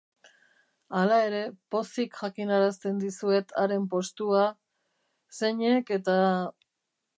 Hala ere, pozik jakinarazten dizuet haren postua... zeinek eta...